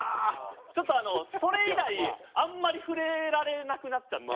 ちょっとそれ以来あんまり触れられなくなっちゃって。